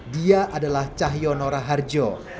dia adalah cahyono raharjo